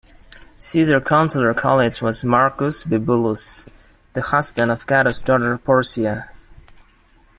Caesar's consular colleague was Marcus Bibulus, the husband of Cato's daughter Porcia.